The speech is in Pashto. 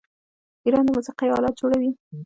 ایران د موسیقۍ الات جوړوي.